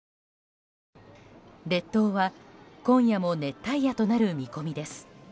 列島は今夜も熱帯夜となる見込みです。